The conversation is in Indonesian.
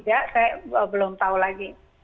saya belum tahu lagi